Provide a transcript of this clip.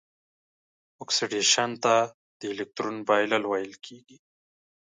اکسیدیشن د الکترون بایلل ویل کیږي.